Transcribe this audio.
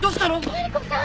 マリコさん！